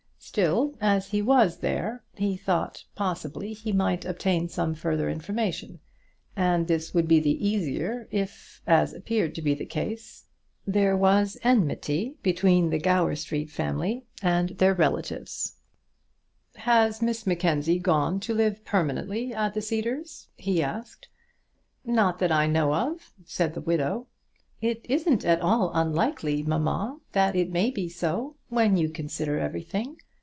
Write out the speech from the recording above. Still, as he was there, he thought possibly he might obtain some further information; and this would be the easier, if, as appeared to be the case, there was enmity between the Gower Street family and their relative. "Has Miss Mackenzie gone to live permanently at the Cedars?" he asked. "Not that I know of," said the widow. "It isn't at all unlikely, mamma, that it may be so, when you consider everything.